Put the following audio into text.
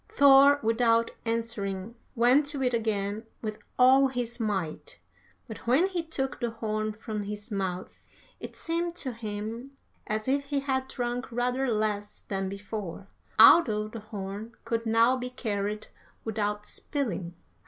"Thor, without answering, went to it again with all his might, but when he took the horn from his mouth it seemed to him as if he had drunk rather less than before, although the horn could now be carried without spilling.